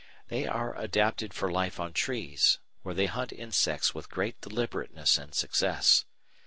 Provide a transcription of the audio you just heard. They are adapted for life on trees, where they hunt insects with great deliberateness and success.